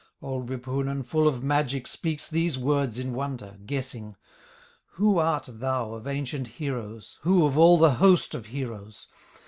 Old Wipunen, full of magic, Speaks these words in wonder, guessing: "Who art thou of ancient heroes, Who of all the host of heroes?